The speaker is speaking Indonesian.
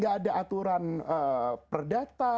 gak ada aturan perdata